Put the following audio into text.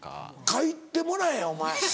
書いてもらえお前。